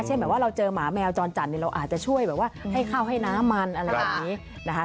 แบบว่าเราเจอหมาแมวจรจัดเราอาจจะช่วยแบบว่าให้ข้าวให้น้ำมันอะไรแบบนี้นะคะ